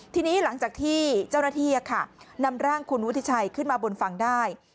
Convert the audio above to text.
ทีนี้หลังจากที่เจ้าหน้าที่นำร่างคุณวุฒิชัยขึ้นมาบนฝั่งได้